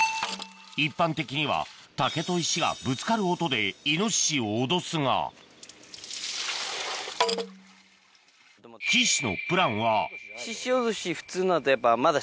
一般的には竹と石がぶつかる音でイノシシを脅すがししおどし。